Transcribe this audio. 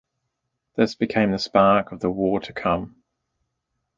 This became the spark for the war to come.